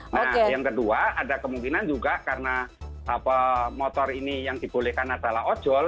nah yang kedua ada kemungkinan juga karena motor ini yang dibolehkan adalah ojol